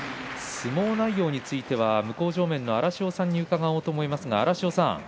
相撲内容については荒汐さんに伺おうと思います、荒汐さん